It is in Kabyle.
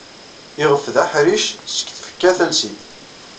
Ixef d aḥric seg tfekka talsit.